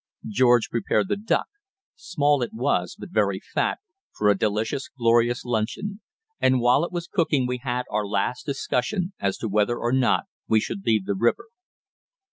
George prepared the duck small it was but very fat for a delicious, glorious luncheon, and while it was cooking we had our last discussion as to whether or not we should leave the river.